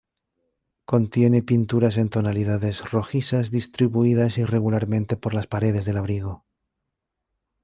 Contiene pinturas en tonalidades rojizas distribuidas irregularmente por las paredes del abrigo.